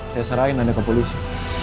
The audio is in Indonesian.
saya serahin anda ke polisi